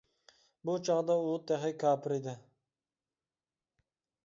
بۇ چاغدا ئۇ تېخى كاپىر ئىدى.